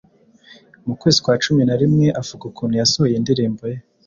Mu kwezi kwa cumi narimwe avuga ukuntu yasohoye indirimbo ye